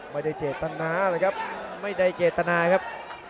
ไม่ได้เจตนาเลยครับไม่ได้เจตนาครับ